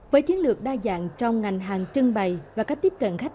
với chiến lược đa dạng trong ngành hàng trưng bày